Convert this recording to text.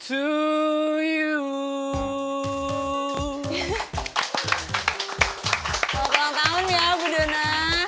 oh ulang tahun ya bu dona